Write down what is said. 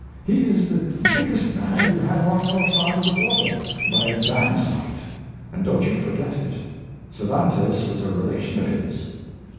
He is the biggest man you have on your side of the water by a damn sight, and don't you forget it. Cervantes was a relation of his.